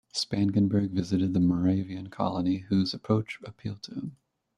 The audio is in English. Spangenberg visited the Moravian colony, whose approach appealed to him.